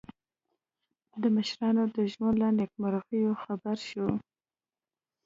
د مشرانو د ژوند له نېکمرغیو خبر شو.